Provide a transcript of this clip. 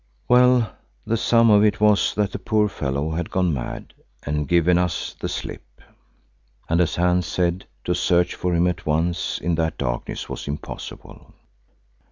Well, the sum of it was that the poor fellow had gone mad and given us the slip, and as Hans said, to search for him at once in that darkness was impossible.